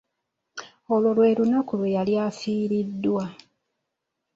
Olwo lwe lunaku lwe yali afiiridwa.